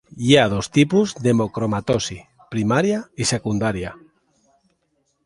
Hi ha dos tipus d'hemocromatosi: primària i secundària.